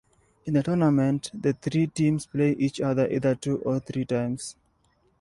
In the tournament, the three teams play each other either two or three times.